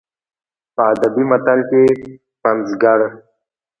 په ادبي متن کې پنځګر